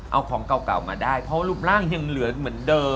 เอาของเก่ามาได้เพราะว่ารูปร่างยังเหลือเหมือนเดิม